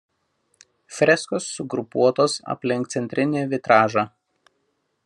Freskos sugrupuotos aplink centrinį vitražą.